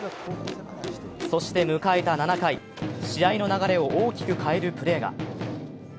そして迎えた７回、試合の流れを大きく変えるプレーが。